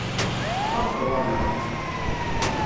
Ṛuḥ-d ɣuṛ-nneɣ!